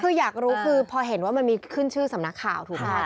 คืออยากรู้คือพอเห็นว่ามันมีขึ้นชื่อสำนักข่าวถูกไหม